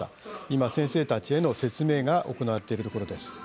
今、先生たちへの説明が行われているところです。